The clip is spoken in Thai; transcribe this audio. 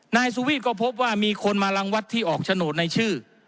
นายสุวีทก็พบว่ามีคนมารังวัดที่ออกโฉนดในชื่อ